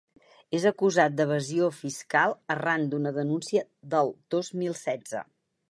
És acusat d’evasió fiscal arran d’una denúncia del dos mil setze.